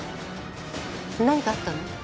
何かあったの？